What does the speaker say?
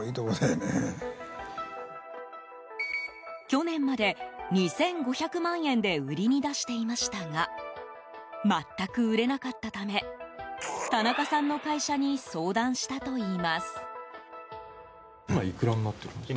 去年まで、２５００万円で売りに出していましたが全く売れなかったため田中さんの会社に相談したといいます。